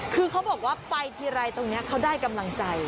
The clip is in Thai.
คือเขาบอกว่าไปทีไรตรงนี้เขาได้กำลังใจ